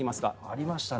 ありましたね。